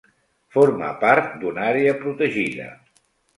Forma part d'una àrea protegida.